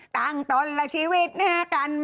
ต่างตนและชีวิตหน้ากันใหม่